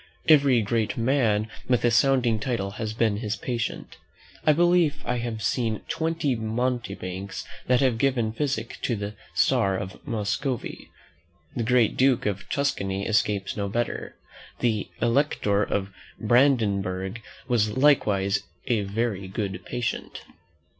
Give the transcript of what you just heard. Every great man with a sounding title has been his patient. I believe I have seen twenty mountebanks that have given physic to the Czar of Muscovy. The Great Duke of Tuscany escapes no better. The Elector of Brandenburg was likewise a very good patient.